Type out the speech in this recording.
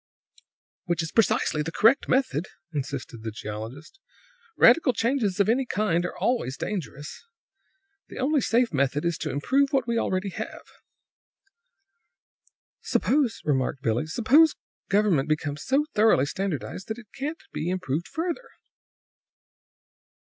"Which is precisely the correct method!" insisted the geologist. "Radical changes of any kind are always dangerous. The only safe method is to improve what we already have." "Suppose," remarked Billie "suppose government becomes so thoroughly standardized that it can't be improved further?"